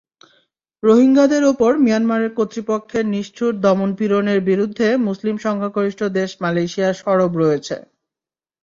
রোহিঙ্গাদের ওপর মিয়ানমার কর্তৃপক্ষের নিষ্ঠুর দমনপীড়নের বিরুদ্ধে মুসলিম সংখ্যাগরিষ্ঠ দেশ মালয়েশিয়া সরব রয়েছে।